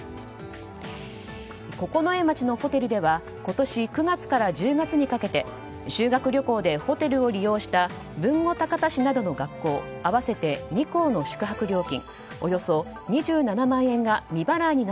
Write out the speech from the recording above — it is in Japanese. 九重町のホテルでは今年９月から１０月にかけて修学旅行でホテルを利用した大分県の学校合わせて２校の宿泊料金